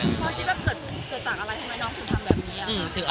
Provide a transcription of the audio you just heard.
พ่อคิดว่าเกิดจากอะไรทำไมน้องคุณทำแบบนี้อ่ะ